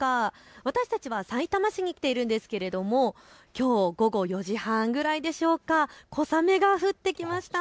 私たちはさいたま市に来ているんですけれどもきょう午後４時半ぐらいでしょうか、小雨が降ってきました。